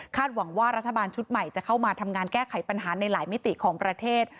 หวังว่ารัฐบาลชุดใหม่จะเข้ามาทำงานแก้ไขปัญหาในหลายมิติของประเทศ